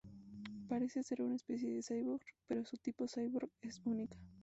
Parece ser una especie de cyborg, pero su tipo Cyborg es única.